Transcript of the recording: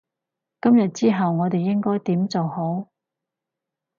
今日之後我哋應該點做好？